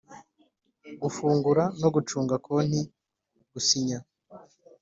Gufungura no gucunga konti gusinya